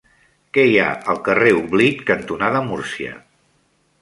Què hi ha al carrer Oblit cantonada Múrcia?